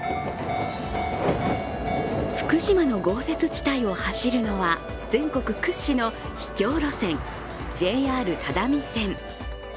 福島の豪雪地帯を走るのは全国屈指の秘境路線ＪＲ只見線。